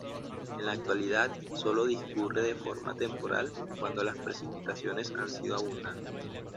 En la actualidad solo discurre de forma temporal cuando las precipitaciones han sido abundantes.